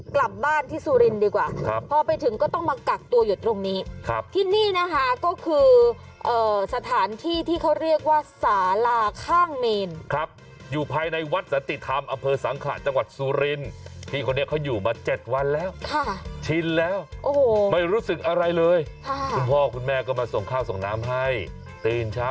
กลับบ้านที่สุรินทร์ดีกว่าครับพอไปถึงก็ต้องมากักตัวอยู่ตรงนี้ครับที่นี่นะคะก็คือสถานที่ที่เขาเรียกว่าสาลาข้างเมนครับอยู่ภายในวัดสันติธรรมอำเภอสังขะจังหวัดสุรินทร์พี่คนนี้เขาอยู่มา๗วันแล้วค่ะชินแล้วโอ้โหไม่รู้สึกอะไรเลยค่ะคุณพ่อคุณแม่ก็มาส่งข้าวส่งน้ำให้ตื่นเช้า